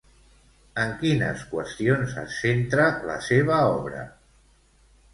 En quines qüestions es centra la seva obra?